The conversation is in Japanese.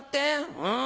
うん！